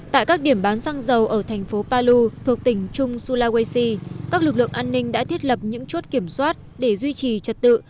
tại các điểm bán xăng dầu ở thành phố palu thuộc tỉnh trung sulawesi các lực lượng an ninh đã thiết lập những chốt kiểm soát để duy trì trật tự